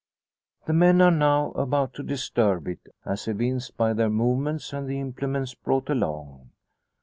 The men are now about to disturb it, as evinced by their movements and the implements brought along.